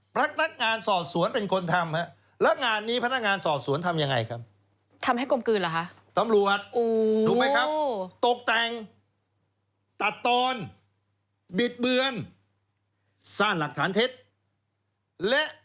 พนักงานสอบสวนเป็นคนทำ